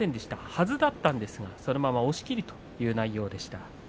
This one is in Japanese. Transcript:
はずだったんですが、そのまま押しきるという内容でした。